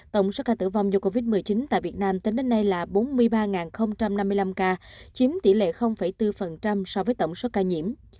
tổng số ca tử vong do covid một mươi chín tại việt nam tính đến nay là bốn mươi ba năm mươi năm ca chiếm tỷ lệ bốn so với tổng số ca nhiễm